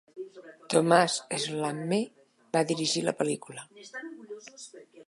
Thomas Schlamme va dirigir la pel·lícula.